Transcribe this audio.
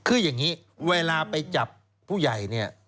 คืออย่างนี้เวลาไปจับผู้ใหญ่เนี่ย